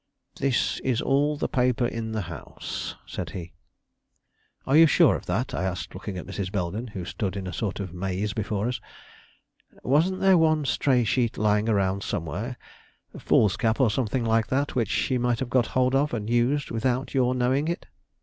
"This is all the paper in the house," said he. "Are you sure of that?" I asked, looking at Mrs. Belden, who stood in a sort of maze before us. "Wasn't there one stray sheet lying around somewhere, foolscap or something like that, which she might have got hold of and used without your knowing it?"